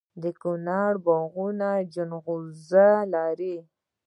د کونړ باغونه ځنغوزي لري.